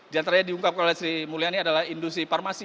di antara yang diungkapkan oleh sri mulyani adalah industri parmasi